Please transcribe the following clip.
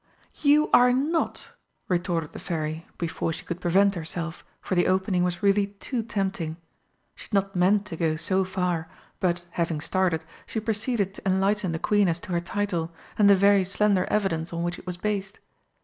"You are not!" retorted the Fairy, before she could prevent herself, for the opening was really too tempting. She had not meant to go so far, but, having started, she proceeded to enlighten the Queen as to her title, and the very slender evidence on which it was based.